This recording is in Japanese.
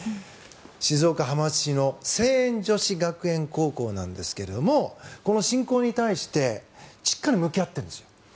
静岡・浜松市の西遠女子学園高校なんですがこの侵攻に対してしっかり向き合ってるんです。